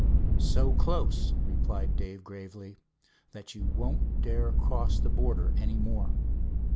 "So close," replied Dave gravely, "that you won't dare to cross the border any more."